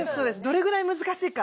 どれぐらい難しいか。